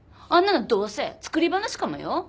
あんなのどうせ作り話かもよ？